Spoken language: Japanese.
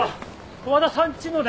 和田さんちのね。